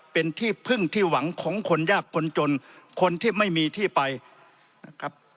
เป็นที่พึ่งที่หวังของคนยากคนจนคนที่ไม่มีที่ไปนะครับ